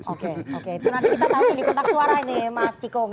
oke itu nanti kita tahu dikontak suara ini mas ciko